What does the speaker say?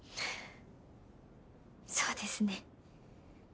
そうですね。